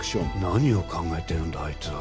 何を考えてるんだあいつは